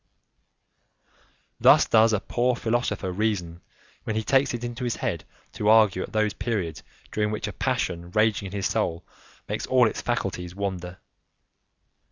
Thus does a poor philosopher reason when he takes it into his head to argue at those periods during which a passion raging in his soul makes all its faculties wander.